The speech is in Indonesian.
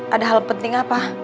ada hal penting apa